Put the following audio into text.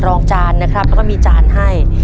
ผักรองจานนะครับแล้วก็มีจานให้